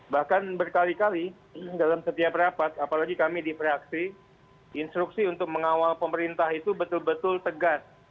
bahkan berkali kali dalam setiap rapat apalagi kami di fraksi instruksi untuk mengawal pemerintah itu betul betul tegas